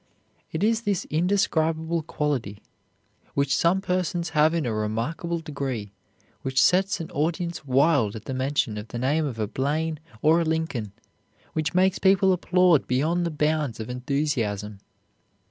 It is this indescribable quality, which some persons have in a remarkable degree, which sets an audience wild at the mention of the name of a Blaine or a Lincoln, which makes people applaud beyond the bounds of enthusiasm.